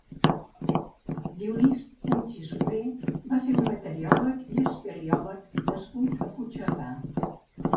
Dionís Puig i Soler va ser un meteoròleg i espeleòleg nascut a Puigcerdà.